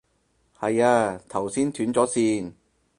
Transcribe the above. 係啊，頭先斷咗線